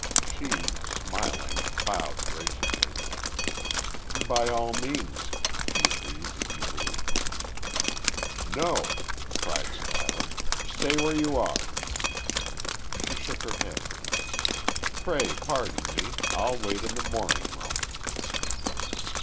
She, smiling, bowed, graciously. "By all means," she agreed, easily. "No!" cried Schuyler. "Stay where you are." She shook her head. "Pray pardon me. I'll wait in the morning room."